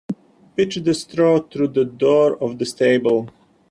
Pitch the straw through the door of the stable.